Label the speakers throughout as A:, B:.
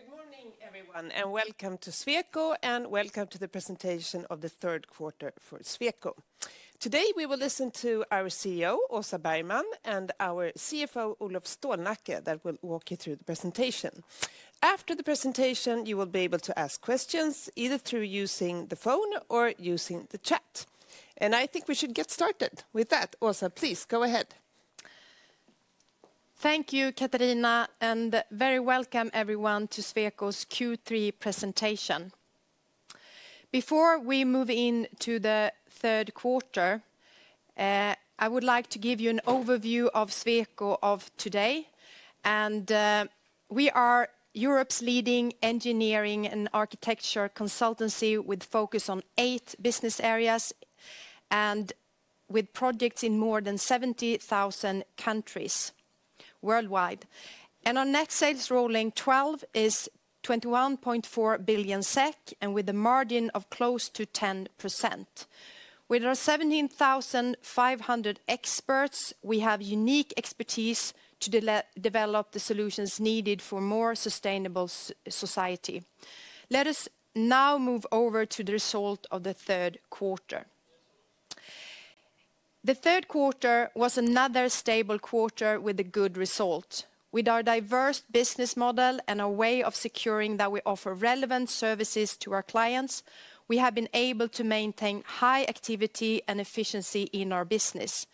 A: Good morning, everyone, and welcome to Sweco, and welcome to the presentation of the third quarter for Sweco. Today, we will listen to our CEO, Åsa Bergman, and our CFO, Olof Stålnacke, that will walk you through the presentation. After the presentation, you will be able to ask questions, either through using the phone or using the chat. I think we should get started with that. Åsa, please go ahead.
B: Thank you, Katarina, and very welcome, everyone, to Sweco's Q3 presentation. Before we move into the third quarter, I would like to give you an overview of Sweco of today. We are Europe's leading engineering and architecture consultancy, with focus on eight business areas and with projects in more than 70,000 countries worldwide. Our net sales rolling 12 is 21.4 billion SEK, and with a margin of close to 10%. With our 17,500 experts, we have unique expertise to develop the solutions needed for more sustainable society. Let us now move over to the result of the third quarter. The third quarter was another stable quarter with a good result. With our diverse business model and a way of securing that we offer relevant services to our clients, we have been able to maintain high activity and efficiency in our business.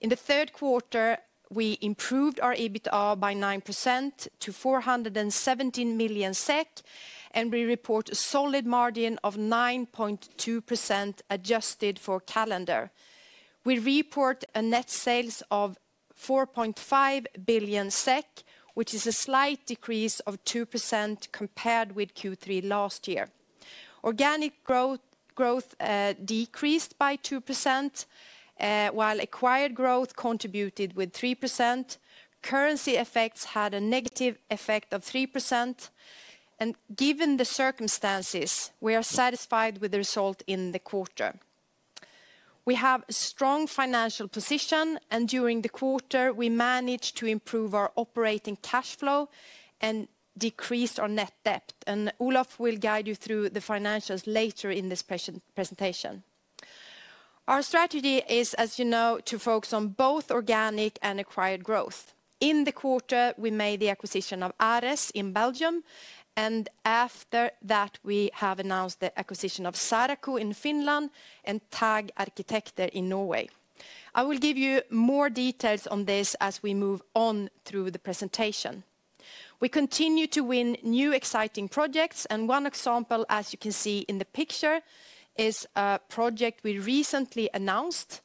B: In the third quarter, we improved our EBITA by 9% to 417 million SEK. We report a solid margin of 9.2%, adjusted for calendar. We report a net sales of 4.5 billion SEK, which is a slight decrease of 2% compared with Q3 last year. Organic growth decreased by 2%, while acquired growth contributed with 3%. Currency effects had a negative effect of 3%. Given the circumstances, we are satisfied with the result in the quarter. We have a strong financial position. During the quarter, we managed to improve our operating cash flow and decreased our net debt. Olof will guide you through the financials later in this presentation. Our strategy is, as you know, to focus on both organic and acquired growth. In the quarter, we made the acquisition of A-RES in Belgium. After that, we have announced the acquisition of Saraco in Finland and TAG Arkitekter in Norway. I will give you more details on this as we move on through the presentation. We continue to win new, exciting projects. One example, as you can see in the picture, is a project we recently announced,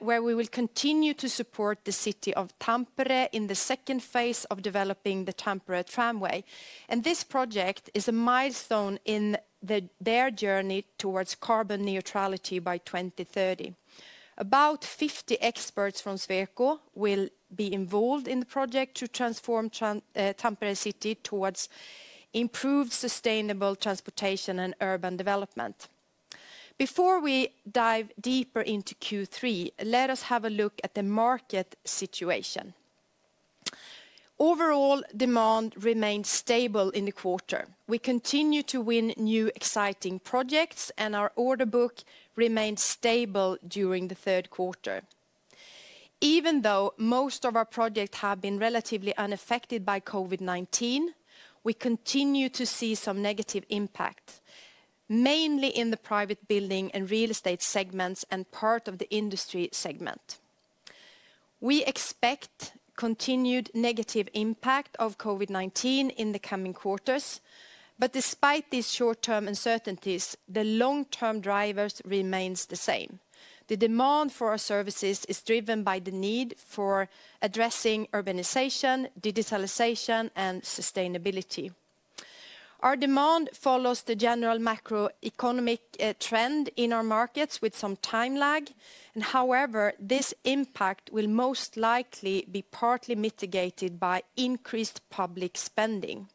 B: where we will continue to support the city of Tampere in the second phase of developing the Tampere Tramway. This project is a milestone in their journey towards carbon neutrality by 2030. About 50 experts from Sweco will be involved in the project to transform Tampere City towards improved sustainable transportation and urban development. Before we dive deeper into Q3, let us have a look at the market situation. Overall, demand remained stable in the quarter. We continue to win new, exciting projects, and our order book remained stable during the third quarter. Even though most of our projects have been relatively unaffected by COVID-19, we continue to see some negative impact, mainly in the private building and real estate segments and part of the industry segment. We expect continued negative impact of COVID-19 in the coming quarters. Despite these short-term uncertainties, the long-term drivers remains the same. The demand for our services is driven by the need for addressing urbanization, digitalization, and sustainability. Our demand follows the general macroeconomic trend in our markets with some time lag. However, this impact will most likely be partly mitigated by increased public spending.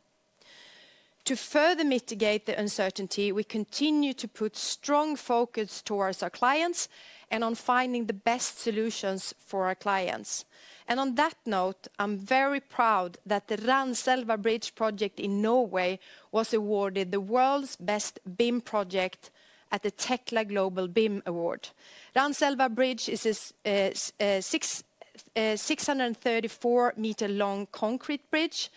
B: To further mitigate the uncertainty, we continue to put strong focus towards our clients and on finding the best solutions for our clients. On that note, I'm very proud that the Randselva Bridge project in Norway was awarded the world's best BIM project at the Tekla Global BIM Awards. Randselva Bridge is a 634 m-long concrete bridge.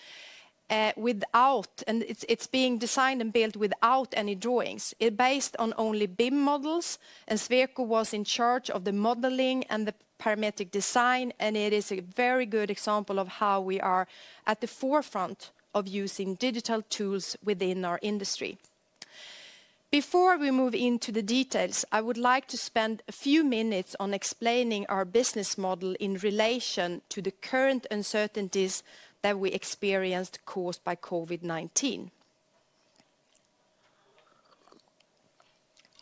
B: It's being designed and built without any drawings. Based on only BIM models. Sweco was in charge of the modeling and the parametric design. It is a very good example of how we are at the forefront of using digital tools within our industry. Before we move into the details, I would like to spend a few minutes on explaining our business model in relation to the current uncertainties that we experienced caused by COVID-19.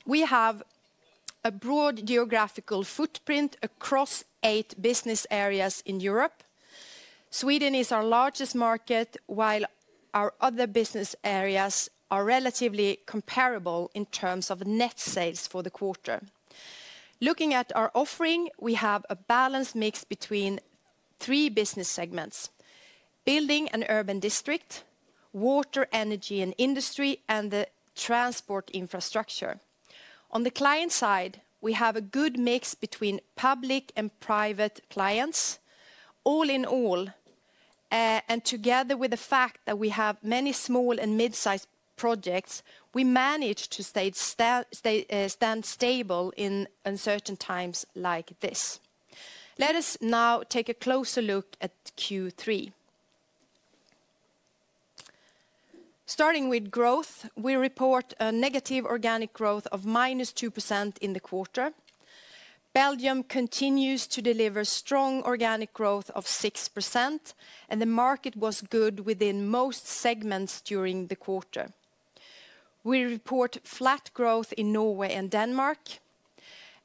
B: We have a broad geographical footprint across eight business areas in Europe. Sweden is our largest market, while our other business areas are relatively comparable in terms of net sales for the quarter. Looking at our offering, we have a balanced mix between three business segments: building and urban district, water, energy, and industry, and the transport infrastructure. On the client side, we have a good mix between public and private clients. All in all, and together with the fact that we have many small and mid-size projects, we manage to stand stable in uncertain times like this. Let us now take a closer look at Q3. Starting with growth, we report a negative organic growth of -2% in the quarter. Belgium continues to deliver strong organic growth of 6%. The market was good within most segments during the quarter. We report flat growth in Norway and Denmark.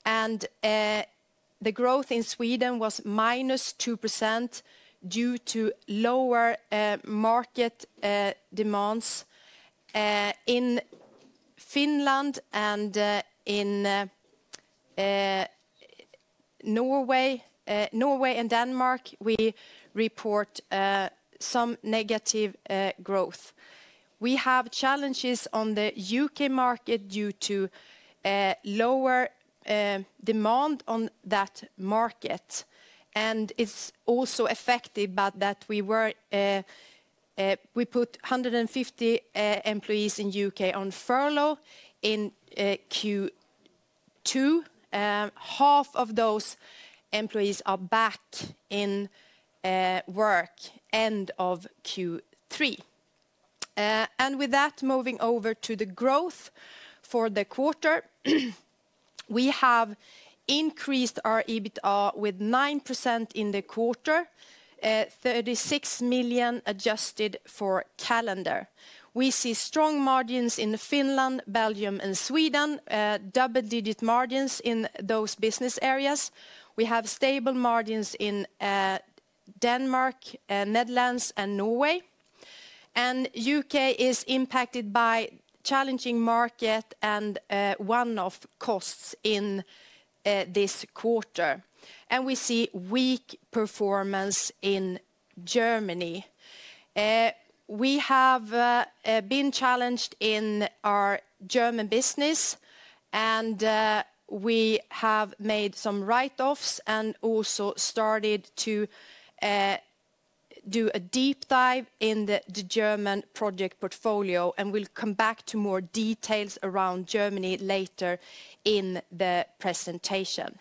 B: The growth in Sweden was -2% due to lower market demands. In Finland and in Norway and Denmark, we report some negative growth. We have challenges on the U.K. market due to lower demand on that market, and it's also affected by that we put 150 employees in U.K. on furlough in Q2. Half of those employees are back in work end of Q3. With that, moving over to the growth for the quarter. We have increased our EBITA with 9% in the quarter, 36 million adjusted for calendar. We see strong margins in Finland, Belgium, and Sweden, double-digit margins in those business areas. We have stable margins in Denmark, Netherlands, and Norway. U.K. is impacted by challenging market and one-off costs in this quarter. We see weak performance in Germany. We have been challenged in our German business. We have made some write-offs and also started to do a deep dive in the German project portfolio. We'll come back to more details around Germany later in the presentation.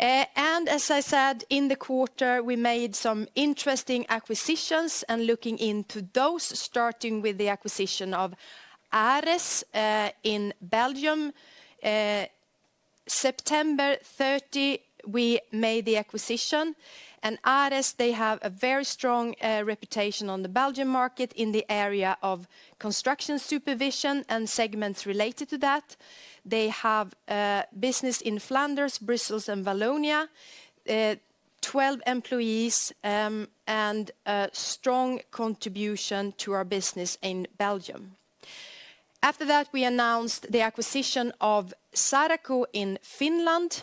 B: As I said, in the quarter, we made some interesting acquisitions. Looking into those, starting with the acquisition of A-RES in Belgium. September 30, we made the acquisition. A-RES, they have a very strong reputation on the Belgium market in the area of construction supervision and segments related to that. They have business in Flanders, Brussels, and Wallonia, 12 employees, and a strong contribution to our business in Belgium. After that, we announced the acquisition of Saraco in Finland,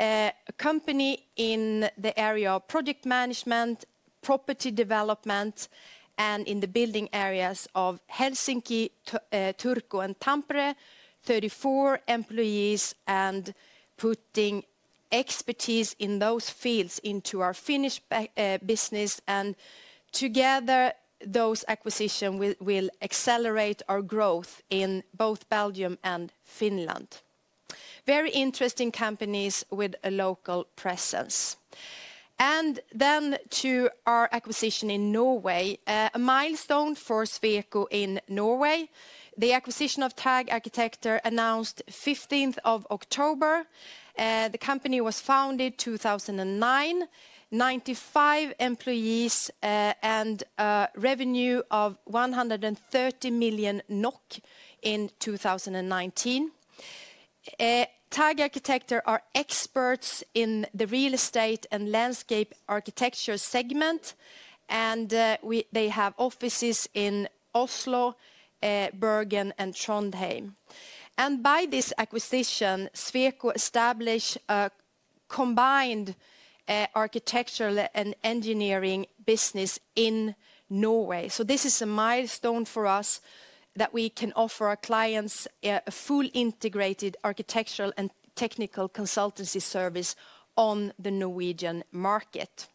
B: a company in the area of project management, property development, and in the building areas of Helsinki, Turku, and Tampere, 34 employees, and putting expertise in those fields into our Finnish business. Together, those acquisition will accelerate our growth in both Belgium and Finland. Very interesting companies with a local presence. Then to our acquisition in Norway. A milestone for Sweco in Norway, the acquisition of TAG Arkitekter announced 15th of October. The company was founded 2009, 95 employees, and a revenue of 130 million NOK in 2019. TAG Arkitekter are experts in the real estate and landscape architecture segment, and they have offices in Oslo, Bergen, and Trondheim. By this acquisition, Sweco establish a combined architectural and engineering business in Norway. This is a milestone for us that we can offer our clients a full integrated architectural and technical consultancy service on the Norwegian market.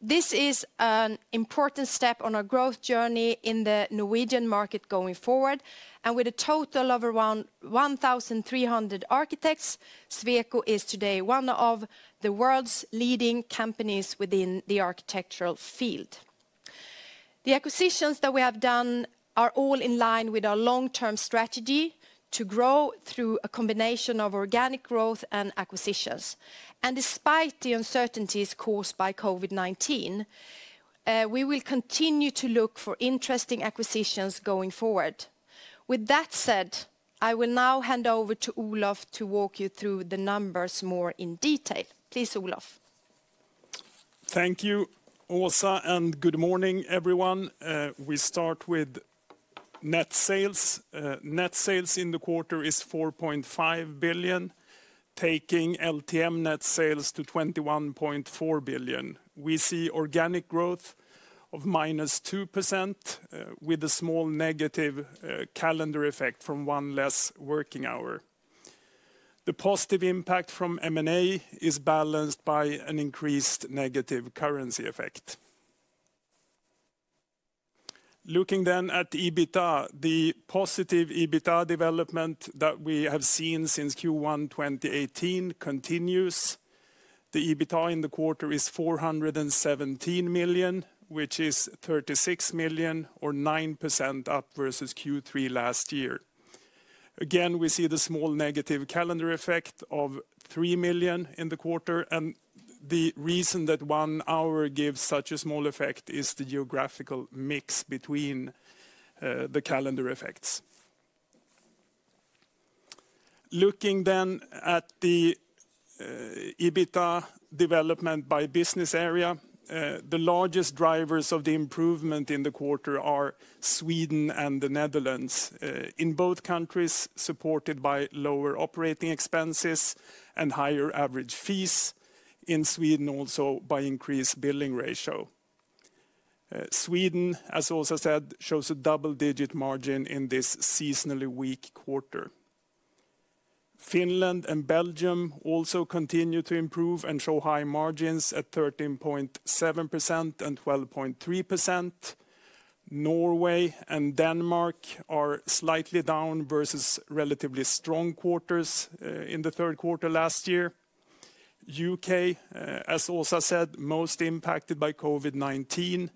B: This is an important step on our growth journey in the Norwegian market going forward. With a total of around 1,300 architects, Sweco is today one of the world's leading companies within the architectural field. The acquisitions that we have done are all in line with our long-term strategy to grow through a combination of organic growth and acquisitions. Despite the uncertainties caused by COVID-19, we will continue to look for interesting acquisitions going forward. With that said, I will now hand over to Olof to walk you through the numbers more in detail. Please, Olof
C: Thank you, Åsa. Good morning, everyone. We start with net sales. Net sales in the quarter is 4.5 billion, taking LTM net sales to 21.4 billion. We see organic growth of -2% with a small negative calendar effect from one less working hour. The positive impact from M&A is balanced by an increased negative currency effect. Looking at the EBITA, the positive EBITA development that we have seen since Q1 2018 continues. The EBITA in the quarter is 417 million, which is 36 million or 9% up versus Q3 last year. Again, we see the small negative calendar effect of 3 million in the quarter, and the reason that one hour gives such a small effect is the geographical mix between the calendar effects. Looking at the EBITA development by business area, the largest drivers of the improvement in the quarter are Sweden and the Netherlands. In both countries, supported by lower operating expenses and higher average fees. In Sweden, also by increased billing ratio. Sweden, as Åsa said, shows a double-digit margin in this seasonally weak quarter. Finland and Belgium also continue to improve and show high margins at 13.7% and 12.3%. Norway and Denmark are slightly down versus relatively strong quarters in the third quarter last year. U.K., as Åsa said, most impacted by COVID-19.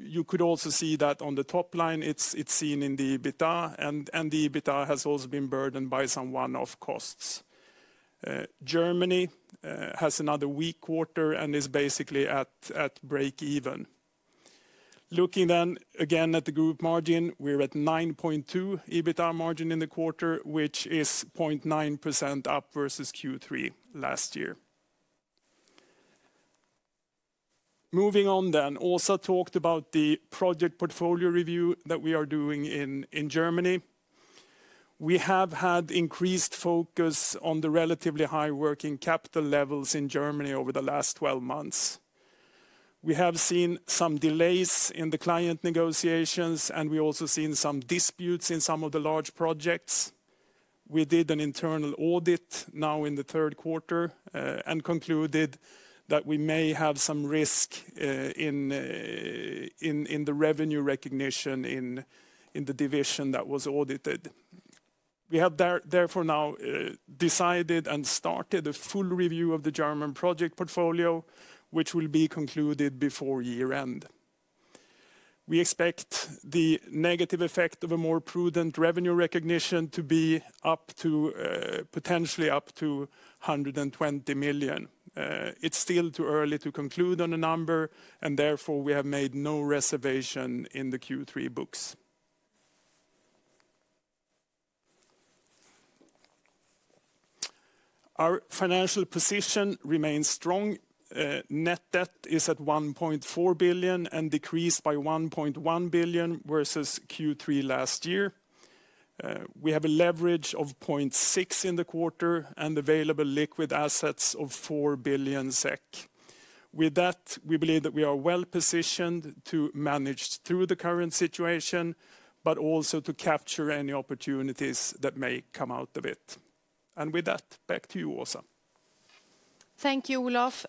C: You could also see that on the top line. It's seen in the EBITA, and the EBITA has also been burdened by some one-off costs. Germany has another weak quarter and is basically at break even. Looking again at the group margin. We're at 9.2% EBITA margin in the quarter, which is 0.9% up versus Q3 last year. Moving on then. Åsa talked about the project portfolio review that we are doing in Germany. We have had increased focus on the relatively high working capital levels in Germany over the last 12 months. We have seen some delays in the client negotiations, and we also seen some disputes in some of the large projects. We did an internal audit now in the third quarter and concluded that we may have some risk in the revenue recognition in the division that was audited. We have therefore now decided and started a full review of the German project portfolio, which will be concluded before year-end. We expect the negative effect of a more prudent revenue recognition to be potentially up to 120 million. It's still too early to conclude on a number, and therefore, we have made no reservation in the Q3 books. Our financial position remains strong. Net debt is at 1.4 billion and decreased by 1.1 billion versus Q3 last year. We have a leverage of 0.6x in the quarter and available liquid assets of 4 billion SEK. With that, we believe that we are well-positioned to manage through the current situation, but also to capture any opportunities that may come out of it. With that, back to you, Åsa.
B: Thank you, Olof.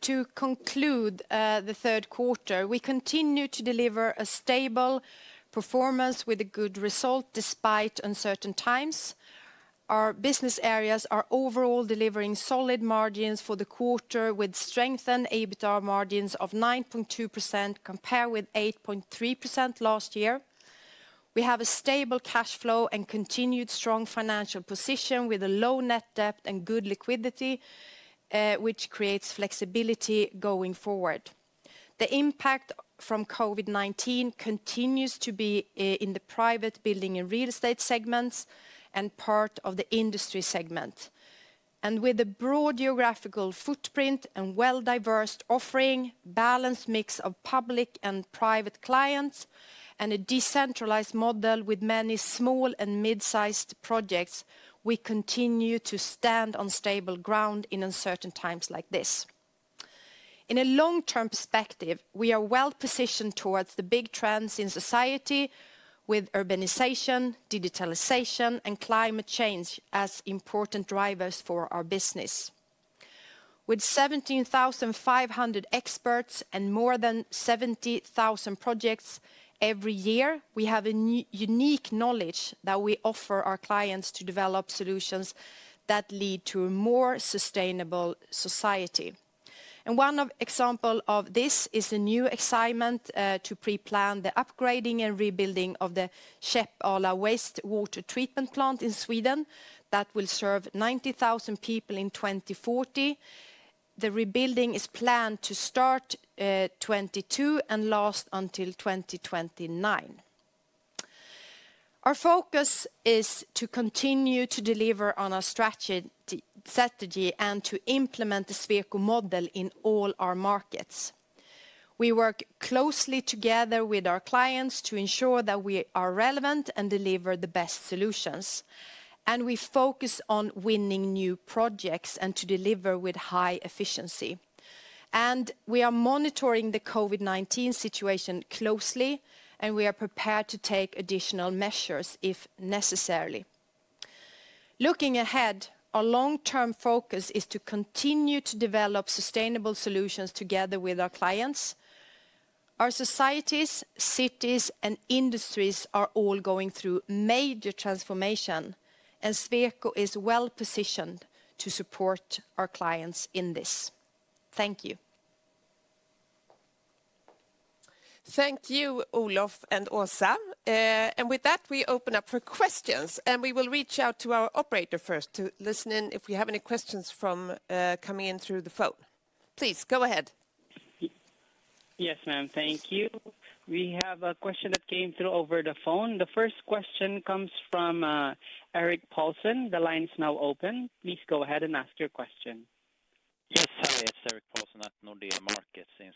B: To conclude the third quarter, we continue to deliver a stable performance with a good result despite uncertain times. Our business areas are overall delivering solid margins for the quarter with strengthened EBITA margins of 9.2% compared with 8.3% last year. We have a stable cash flow and continued strong financial position with a low net debt and good liquidity, which creates flexibility going forward. The impact from COVID-19 continues to be in the private building and real estate segments and part of the industry segment. With a broad geographical footprint and well-diversed offering, balanced mix of public and private clients, and a decentralized model with many small and mid-sized projects, we continue to stand on stable ground in uncertain times like this. In a long-term perspective, we are well-positioned towards the big trends in society with urbanization, digitalization, and climate change as important drivers for our business. With 17,500 experts and more than 70,000 projects every year, we have a unique knowledge that we offer our clients to develop solutions that lead to a more sustainable society. One example of this is the new assignment to pre-plan the upgrading and rebuilding of the Käppala Wastewater Treatment Plant in Sweden that will serve 90,000 people in 2040. The rebuilding is planned to start 2022 and last until 2029. Our focus is to continue to deliver on our strategy and to implement the Sweco model in all our markets. We work closely together with our clients to ensure that we are relevant and deliver the best solutions. We focus on winning new projects and to deliver with high efficiency. We are monitoring the COVID-19 situation closely, and we are prepared to take additional measures if necessary. Looking ahead, our long-term focus is to continue to develop sustainable solutions together with our clients. Our societies, cities, and industries are all going through major transformation, and Sweco is well-positioned to support our clients in this. Thank you.
A: Thank you, Olof and Åsa. With that, we open up for questions, and we will reach out to our operator first to listen in if we have any questions coming in through the phone. Please go ahead.
D: Yes, ma'am. Thank you. We have a question that came through over the phone. The first question comes from Erik Paulsson. The line is now open. Please go ahead and ask your question.
E: Yes. This is Erik Paulsson at Nordea Markets in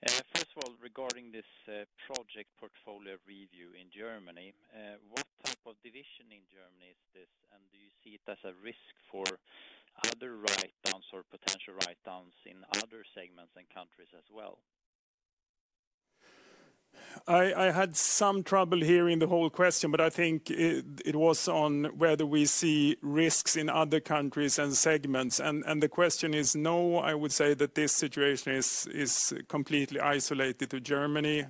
E: Stockholm. First of all, regarding this project portfolio review in Germany, what type of division in Germany is this? Do you see it as a risk for other write downs or potential write downs in other segments and countries as well?
C: I had some trouble hearing the whole question, but I think it was on whether we see risks in other countries and segments. The question is, no, I would say that this situation is completely isolated to Germany.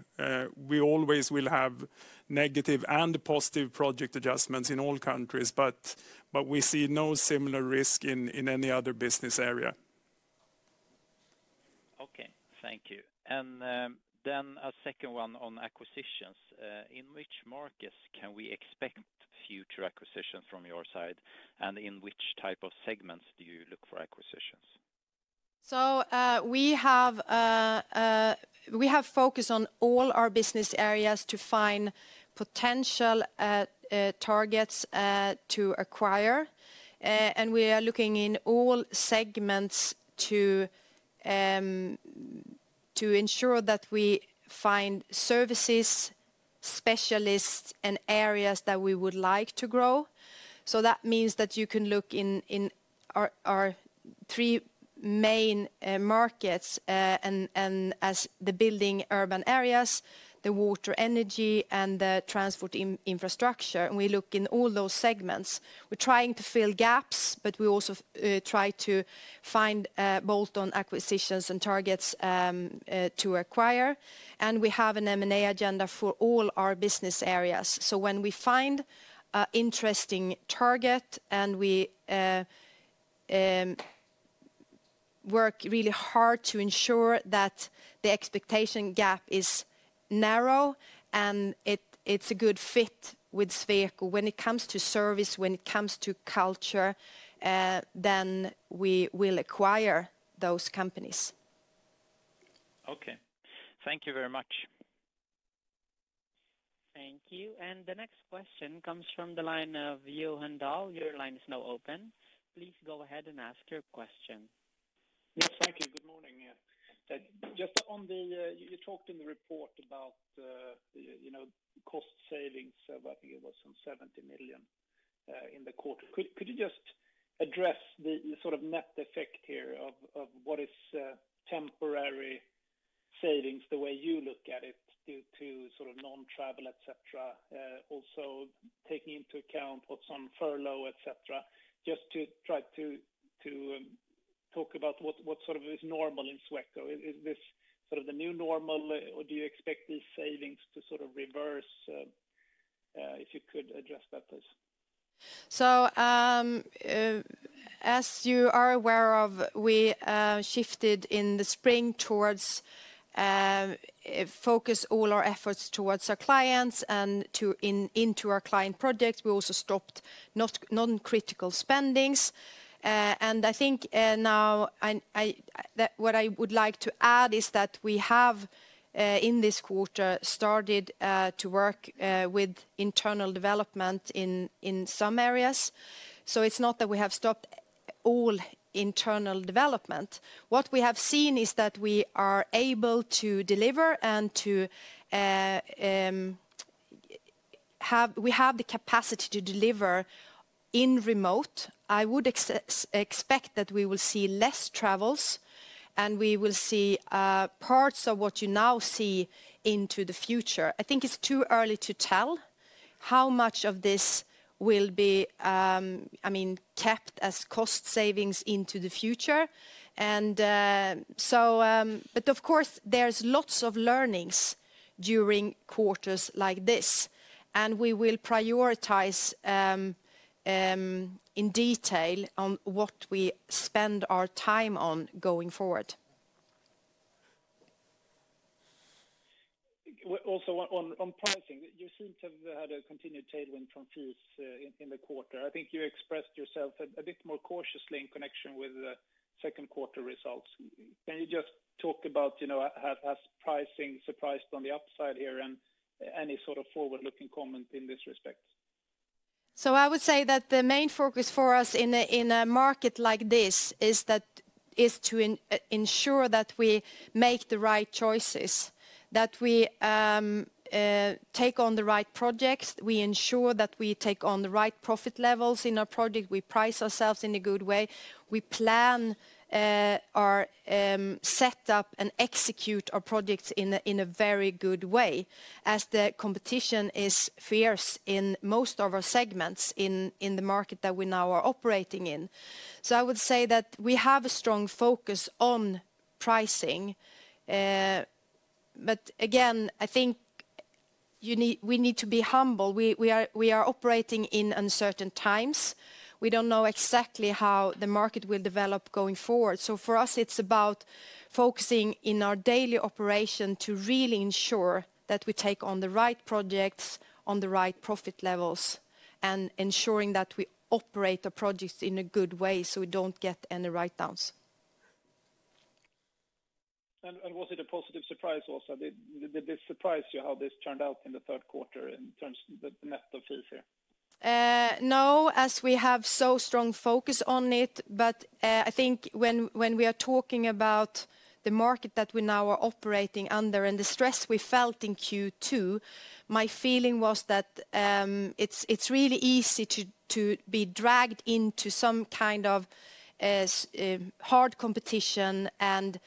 C: We always will have negative and positive project adjustments in all countries, but we see no similar risk in any other business area.
E: Okay. Thank you. A second one on acquisitions. In which markets can we expect future acquisitions from your side, and in which type of segments do you look for acquisitions?
B: We have focused on all our business areas to find potential targets to acquire. We are looking in all segments to ensure that we find services, specialists, and areas that we would like to grow. That means that you can look in our three main markets, and as the building urban areas, the water energy, and the transport infrastructure. We look in all those segments. We're trying to fill gaps, but we also try to find bolt-on acquisitions and targets to acquire. We have an M&A agenda for all our business areas. When we find an interesting target, and we work really hard to ensure that the expectation gap is narrow, and it's a good fit with Sweco when it comes to service, when it comes to culture, then we will acquire those companies.
E: Okay. Thank you very much.
D: Thank you. The next question comes from the line of Johan Dahl. Your line is now open. Please go ahead and ask your question.
F: Yes, thank you. Good morning. You talked in the report about cost savings of, I think it was some 70 million in the quarter. Could you just address the net effect here of what is temporary savings, the way you look at it, due to non-travel, et cetera. Taking into account what's on furlough, et cetera, just to try to talk about what is normal in Sweco. Is this the new normal, or do you expect these savings to reverse? If you could address that, please.
B: As you are aware of, we shifted in the spring towards focus all our efforts towards our clients and into our client projects. We also stopped non-critical spendings. I think now, what I would like to add is that we have, in this quarter, started to work with internal development in some areas. It's not that we have stopped all internal development. What we have seen is that we are able to deliver and we have the capacity to deliver in remote. I would expect that we will see less travels, and we will see parts of what you now see into the future. I think it's too early to tell how much of this will be kept as cost savings into the future. Of course, there's lots of learnings during quarters like this, and we will prioritize in detail on what we spend our time on going forward.
F: Also on pricing, you seem to have had a continued tailwind from fees in the quarter. I think you expressed yourself a bit more cautiously in connection with the second quarter results. Can you just talk about, has pricing surprised on the upside here and any sort of forward-looking comment in this respect?
B: I would say that the main focus for us in a market like this is to ensure that we make the right choices, that we take on the right projects. We ensure that we take on the right profit levels in our project. We price ourselves in a good way. We plan our setup and execute our projects in a very good way, as the competition is fierce in most of our segments in the market that we now are operating in. I would say that we have a strong focus on pricing. Again, I think we need to be humble. We are operating in uncertain times. We don't know exactly how the market will develop going forward. For us, it's about focusing in our daily operation to really ensure that we take on the right projects on the right profit levels and ensuring that we operate the projects in a good way so we don't get any write-downs.
F: Was it a positive surprise also? Did this surprise you how this turned out in the third quarter in terms of the net of fees here?
B: No, as we have so strong focus on it, but I think when we are talking about the market that we now are operating under and the stress we felt in Q2, my feeling was that it's really easy to be dragged into some kind of hard competition and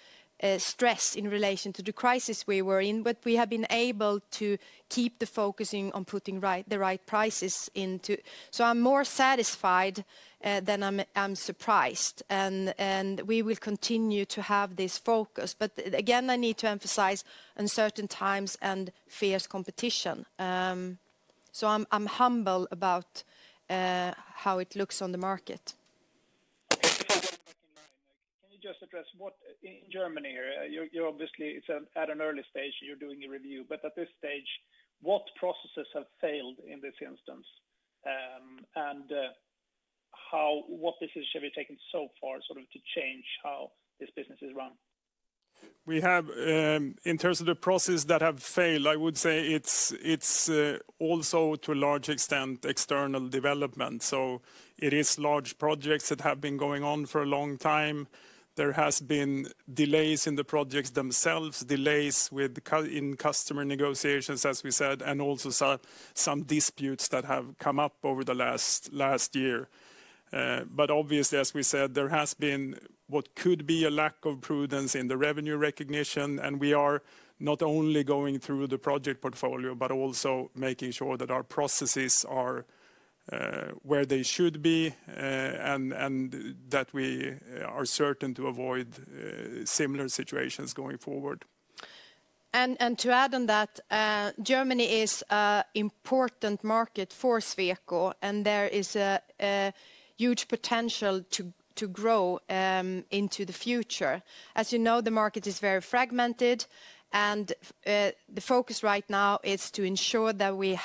B: stress in relation to the crisis we were in. We have been able to keep the focusing on putting the right prices into. I'm more satisfied than I'm surprised, and we will continue to have this focus. Again, I need to emphasize uncertain times and fierce competition. I'm humble about how it looks on the market.
F: Can you just address what, in Germany, you're obviously at an early stage, you're doing a review. At this stage, what processes have failed in this instance, and what decisions have you taken so far to change how this business is run?
C: In terms of the processes that have failed, I would say it's also, to a large extent, external development. It is large projects that have been going on for a long time. There has been delays in the projects themselves, delays in customer negotiations, as we said, and also some disputes that have come up over the last year. Obviously, as we said, there has been what could be a lack of prudence in the revenue recognition, and we are not only going through the project portfolio, but also making sure that our processes are where they should be, and that we are certain to avoid similar situations going forward.
B: To add on that, Germany is an important market for Sweco, and there is a huge potential to grow into the future. As you know, the market is very fragmented, and the focus right now is to ensure that we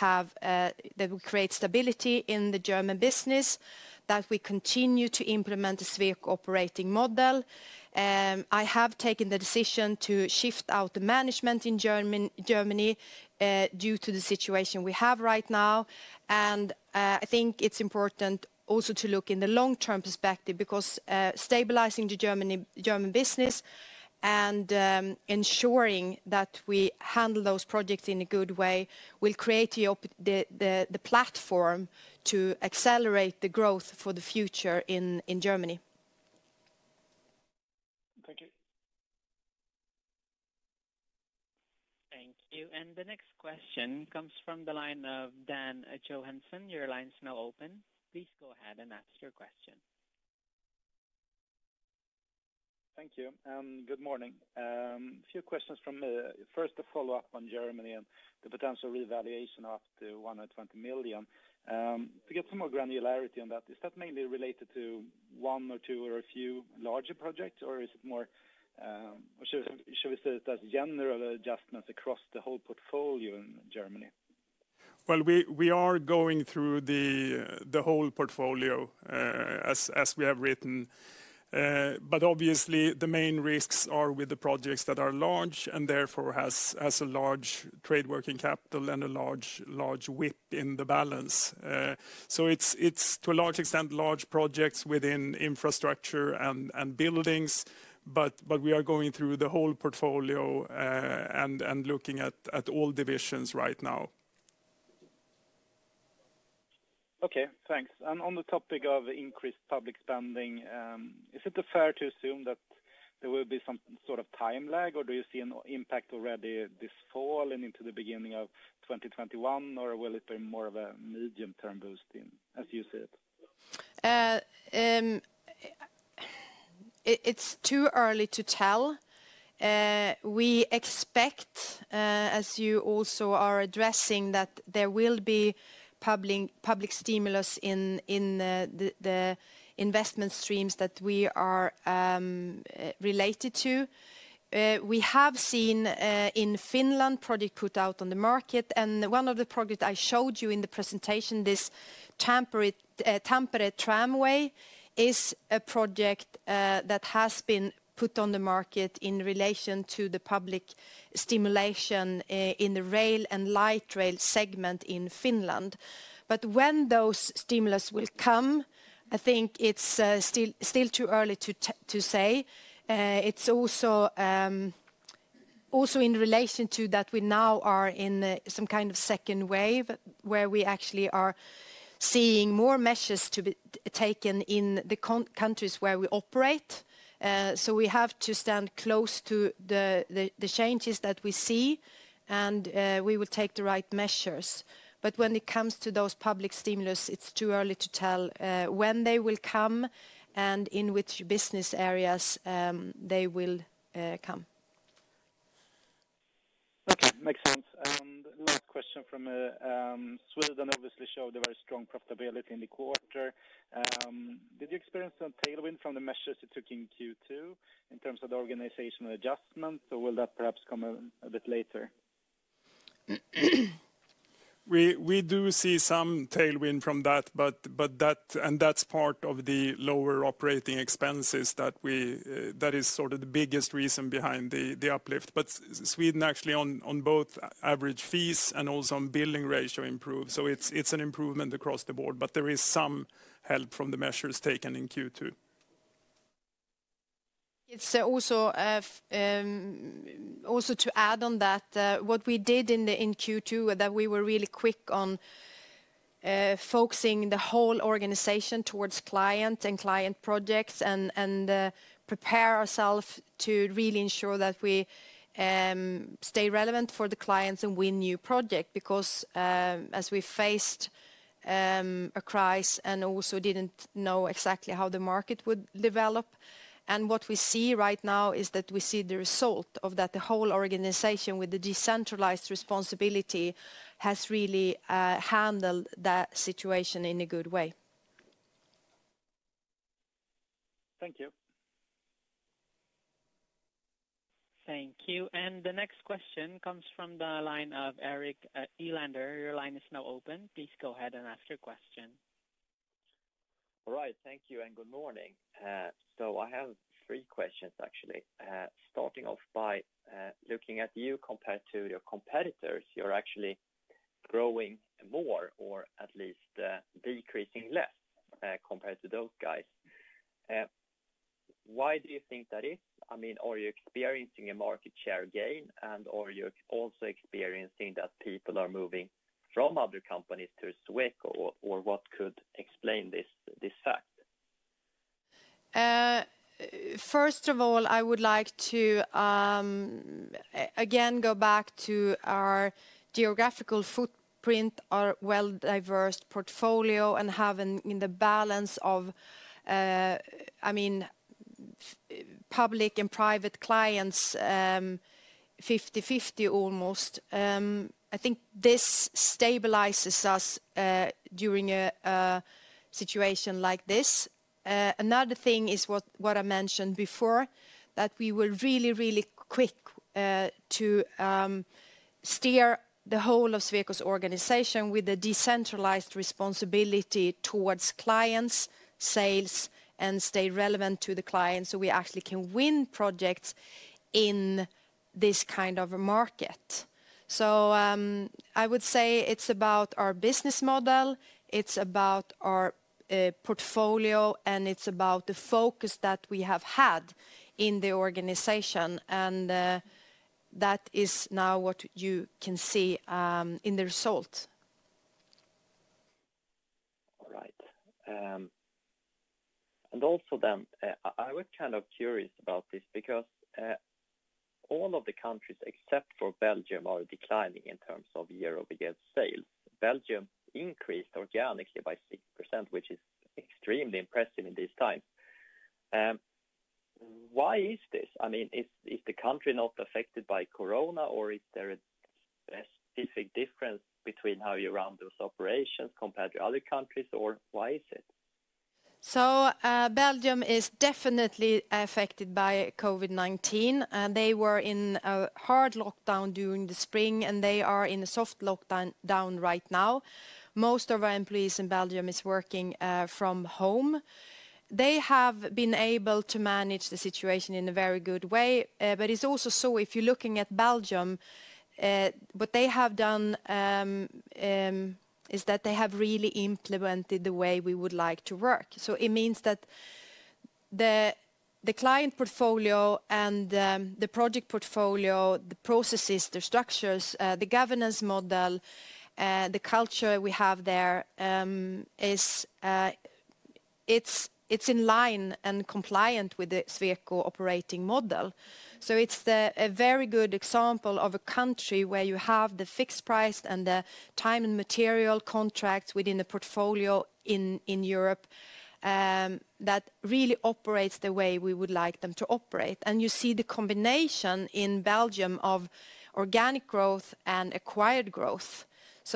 B: create stability in the German business, that we continue to implement the Sweco operating model. I have taken the decision to shift out the management in Germany due to the situation we have right now. I think it's important also to look in the long-term perspective, because stabilizing the German business and ensuring that we handle those projects in a good way will create the platform to accelerate the growth for the future in Germany.
F: Thank you.
D: Thank you. The next question comes from the line of Dan Johansson. Your line's now open. Please go ahead and ask your question.
G: Thank you. Good morning. A few questions from me. First, a follow-up on Germany and the potential revaluation of the 120 million. To get some more granularity on that, is that mainly related to one or two or a few larger projects, or should we say that's general adjustments across the whole portfolio in Germany?
C: We are going through the whole portfolio, as we have written. Obviously, the main risks are with the projects that are large and therefore has a large trade working capital and a large WIP in the balance. It's to a large extent, large projects within infrastructure and buildings, but we are going through the whole portfolio and looking at all divisions right now.
G: Okay, thanks. On the topic of increased public spending, is it fair to assume that there will be some sort of time lag, or do you see an impact already this fall and into the beginning of 2021? Or will it be more of a medium-term boost as you see it?
B: It's too early to tell. We expect, as you also are addressing, that there will be public stimulus in the investment streams that we are related to. We have seen in Finland, project put out on the market, and one of the projects I showed you in the presentation, this Tampere Tramway, is a project that has been put on the market in relation to the public stimulation in the rail and light rail segment in Finland. When those stimulus will come, I think it's still too early to say. It's also in relation to that, we now are in some kind of second wave, where we actually are seeing more measures to be taken in the countries where we operate. We have to stand close to the changes that we see, and we will take the right measures. When it comes to those public stimulus, it's too early to tell when they will come and in which business areas they will come.
G: Okay, makes sense. Last question from Sweden, obviously showed a very strong profitability in the quarter. Did you experience some tailwind from the measures you took in Q2 in terms of the organizational adjustment, or will that perhaps come a bit later?
C: We do see some tailwind from that, and that's part of the lower operating expenses. That is sort of the biggest reason behind the uplift. Sweden actually on both average fees and also on billing ratio improved. It's an improvement across the board, but there is some help from the measures taken in Q2.
B: To add on that, what we did in Q2 that we were really quick on focusing the whole organization towards client and client projects and prepare ourself to really ensure that we stay relevant for the clients and win new project. As we faced a crisis and also didn't know exactly how the market would develop, what we see right now is that we see the result of that. The whole organization with the decentralized responsibility has really handled that situation in a good way.
G: Thank you.
D: Thank you. The next question comes from the line of Erik Elander. Your line is now open. Please go ahead and ask your question.
H: All right. Thank you and good morning. I have three questions actually. Starting off by looking at you compared to your competitors, you're actually growing more or at least decreasing less compared to those guys. Why do you think that is? Are you experiencing a market share gain, and are you also experiencing that people are moving from other companies to Sweco or what could explain this fact?
B: First of all, I would like to, again, go back to our geographical footprint, our well-diversified portfolio, and having the balance of public and private clients, 50/50 almost. I think this stabilizes us during a situation like this. Another thing is what I mentioned before, that we were really quick to steer the whole of Sweco's organization with a decentralized responsibility towards clients, sales, and stay relevant to the clients so we actually can win projects in this kind of a market. I would say it's about our business model, it's about our portfolio, and it's about the focus that we have had in the organization. That is now what you can see in the result.
H: All right. I was kind of curious about this because all of the countries except for Belgium are declining in terms of euro against sales. Belgium increased organically by 6%, which is extremely impressive in this time. Why is this? Is the country not affected by corona, or is there a specific difference between how you run those operations compared to other countries, or why is it?
B: Belgium is definitely affected by COVID-19. They were in a hard lockdown during the spring, and they are in a soft lockdown right now. Most of our employees in Belgium is working from home. They have been able to manage the situation in a very good way. It's also, if you're looking at Belgium, what they have done, is that they have really implemented the way we would like to work. It means that the client portfolio and the project portfolio, the processes, the structures, the governance model, the culture we have there, it's in line and compliant with the Sweco operating model. It's a very good example of a country where you have the fixed price and the time and material contracts within the portfolio in Europe, that really operates the way we would like them to operate. You see the combination in Belgium of organic growth and acquired growth.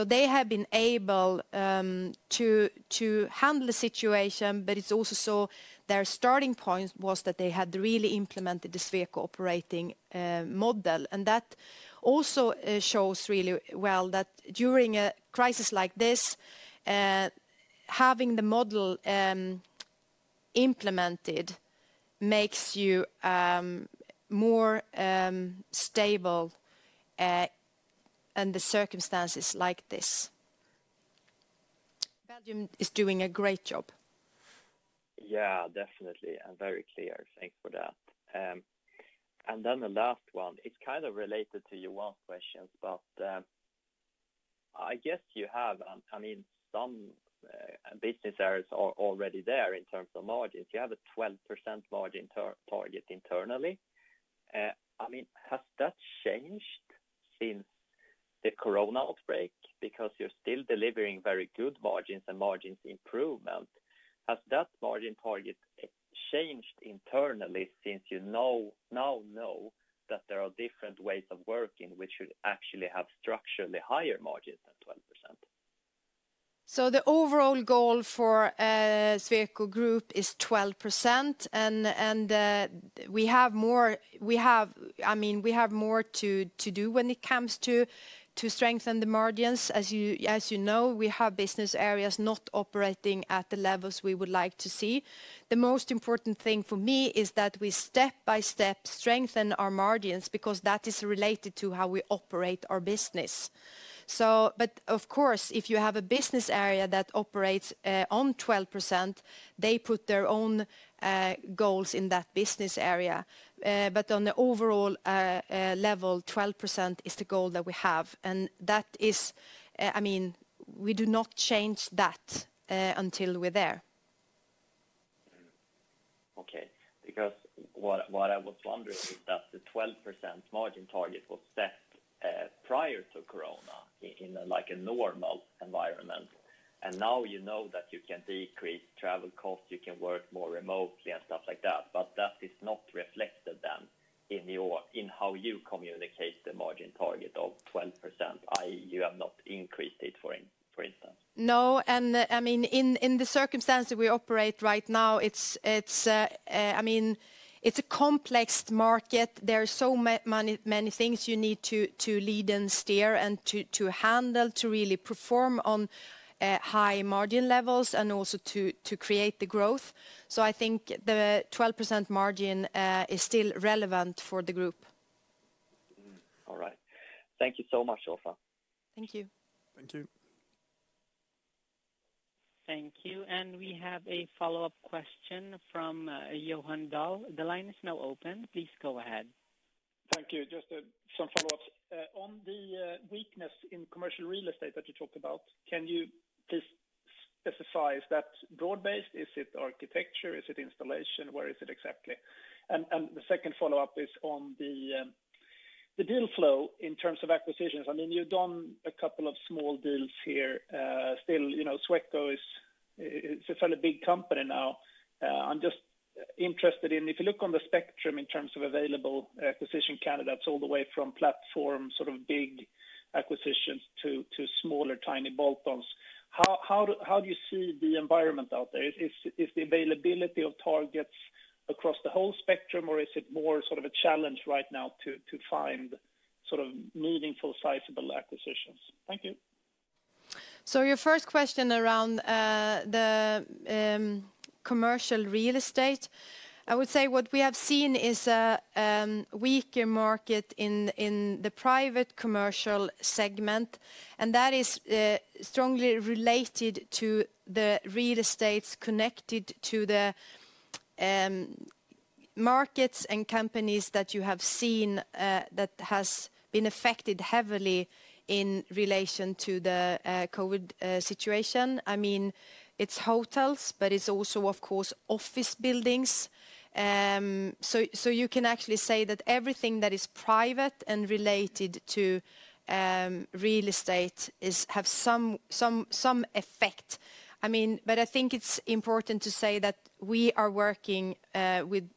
B: They have been able to handle the situation, but it's also their starting point was that they had really implemented the Sweco operating model. That also shows really well that during a crisis like this, having the model implemented makes you more stable under circumstances like this. Belgium is doing a great job.
H: Yeah, definitely, and very clear. Thanks for that. The last one, it's kind of related to Johan's questions, but I guess you have some business areas are already there in terms of margins. You have a 12% margin target internally. Has that changed since the Corona outbreak because you're still delivering very good margins and margins improvement? Has that margin target changed internally since you now know that there are different ways of working, which should actually have structurally higher margins than 12%?
B: The overall goal for Sweco Group is 12%, and we have more to do when it comes to strengthen the margins. As you know, we have business areas not operating at the levels we would like to see. The most important thing for me is that we step by step strengthen our margins, because that is related to how we operate our business. Of course, if you have a business area that operates on 12%, they put their own goals in that business area. On the overall level, 12% is the goal that we have. We do not change that until we're there.
H: Okay. Because what I was wondering is that the 12% margin target was set prior to Corona, in a normal environment. Now you know that you can decrease travel costs, you can work more remotely and stuff like that, but that is not reflected then in how you communicate the margin target of 12%. You have not increased it, for instance.
B: No, in the circumstance that we operate right now, it's a complex market. There are so many things you need to lead and steer and to handle, to really perform on high margin levels and also to create the growth. I think the 12% margin is still relevant for the group.
H: All right. Thank you so much, Åsa.
B: Thank you.
C: Thank you.
D: Thank you. We have a follow-up question from Johan Dahl. The line is now open. Please go ahead.
F: Thank you. Just some follow-ups. On the weakness in commercial real estate that you talked about, can you please specify, is that broad based? Is it architecture? Is it installation? Where is it exactly? The second follow-up is on the deal flow in terms of acquisitions. You've done a couple of small deals here. Still, Sweco is a fairly big company now. I'm just interested in, if you look on the spectrum in terms of available acquisition candidates, all the way from platform, sort of big acquisitions to smaller, tiny bolt-ons, how do you see the environment out there? Is the availability of targets across the whole spectrum, or is it more a challenge right now to find meaningful, sizable acquisitions? Thank you.
B: Your first question around the commercial real estate. I would say what we have seen is a weaker market in the private commercial segment, and that is strongly related to the real estates connected to the markets and companies that you have seen that has been affected heavily in relation to the COVID situation. It's hotels, but it's also, of course, office buildings. You can actually say that everything that is private and related to real estate have some effect. I think it's important to say that we are working with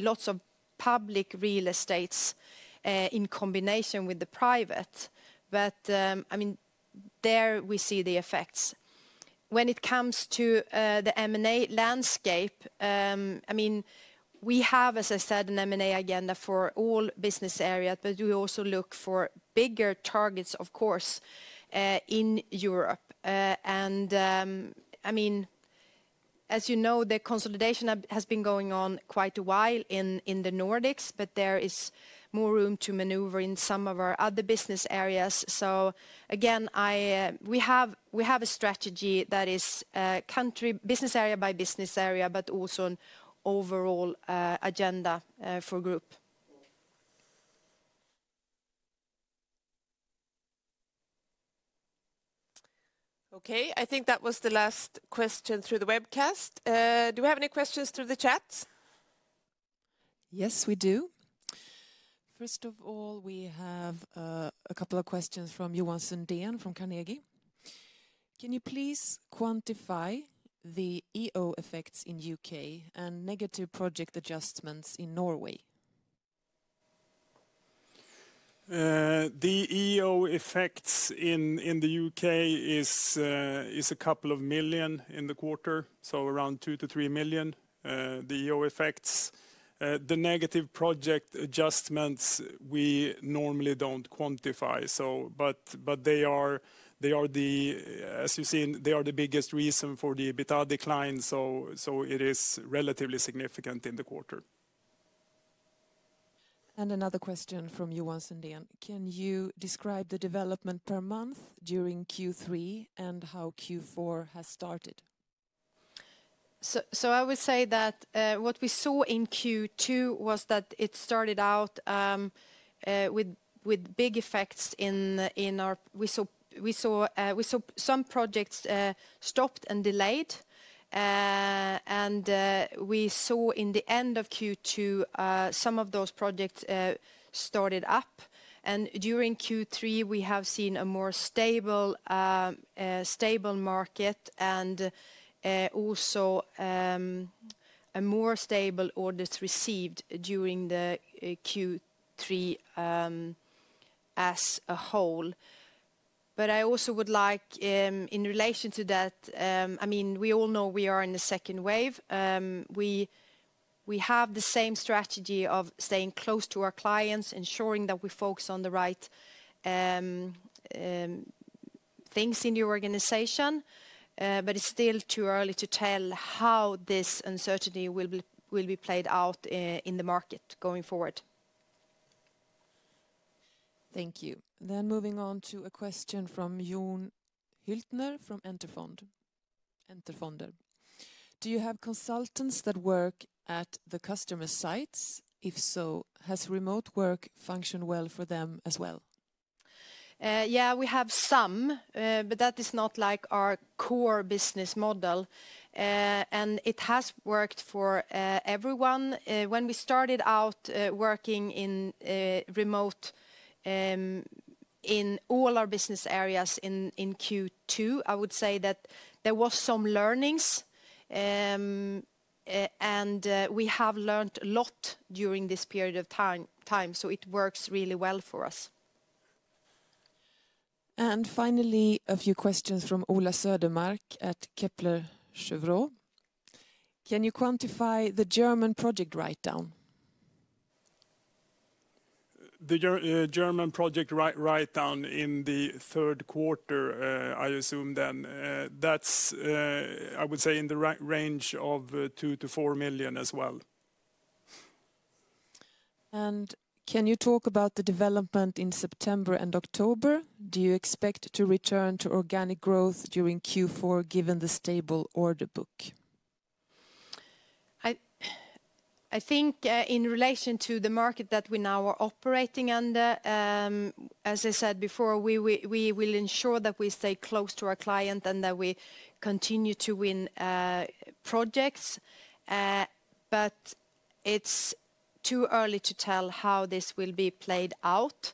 B: lots of public real estates in combination with the private. There we see the effects. When it comes to the M&A landscape, we have, as I said, an M&A agenda for all business areas, but we also look for bigger targets, of course, in Europe. As you know, the consolidation has been going on quite a while in the Nordics, but there is more room to maneuver in some of our other business areas. Again, we have a strategy that is business area by business area, but also an overall agenda for group. Okay, I think that was the last question through the webcast. Do we have any questions through the chat?
A: Yes, we do. First of all, we have a couple of questions from Johan Sundén from Carnegie. Can you please quantify the EO effects in U.K. and negative project adjustments in Norway?
C: The EO effects in the U.K. is a couple of million in the quarter, so around 2 million-3 million, the EO effects. The negative project adjustments we normally don't quantify. As you've seen, they are the biggest reason for the EBITDA decline, so it is relatively significant in the quarter.
A: Another question from Johan Sundén: Can you describe the development per month during Q3 and how Q4 has started?
B: I would say that what we saw in Q2 was that it started out with big effects. We saw some projects stopped and delayed, and we saw in the end of Q2, some of those projects started up. During Q3, we have seen a more stable market and also more stable orders received during the Q3 as a whole. I also would like, in relation to that, we all know we are in the second wave. We have the same strategy of staying close to our clients, ensuring that we focus on the right things in the organization. It's still too early to tell how this uncertainty will be played out in the market going forward.
A: Thank you. Moving on to a question from Jon Hyltner from Enter Fonder. Do you have consultants that work at the customer sites? If so, has remote work functioned well for them as well?
B: Yeah, we have some, but that is not our core business model. It has worked for everyone. When we started out working remote in all our business areas in Q2, I would say that there were some learnings. We have learned a lot during this period of time, so it works really well for us.
A: Finally, a few questions from Ola Södermark at Kepler Cheuvreux. Can you quantify the German project write-down?
C: The German project write-down in the third quarter, I assume then, that's, I would say, in the range of 2 million-4 million as well.
A: Can you talk about the development in September and October? Do you expect to return to organic growth during Q4 given the stable order book?
B: I think in relation to the market that we now are operating under, as I said before, we will ensure that we stay close to our client and that we continue to win projects. It's too early to tell how this will be played out.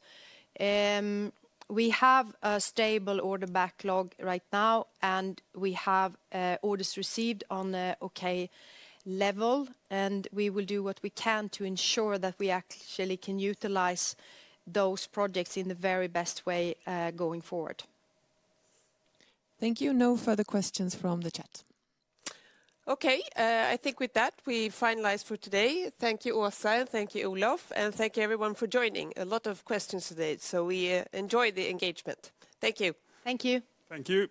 B: We have a stable order backlog right now, and we have orders received on an okay level, and we will do what we can to ensure that we actually can utilize those projects in the very best way going forward.
A: Thank you. No further questions from the chat. Okay, I think with that, we finalize for today. Thank you, Åsa. Thank you, Olof. Thank you, everyone, for joining. A lot of questions today, so we enjoy the engagement. Thank you.
B: Thank you.
C: Thank you.